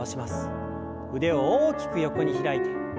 腕を大きく横に開いて。